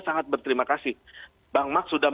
sangat berterima kasih bang mark sudah